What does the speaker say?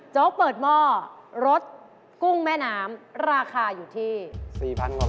เปิดหม้อรสกุ้งแม่น้ำราคาอยู่ที่๔๐๐กว่าบาท